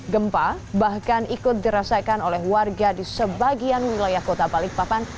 gempa bahkan ikut dirasakan oleh warga di sebagian wilayah kota balikpapan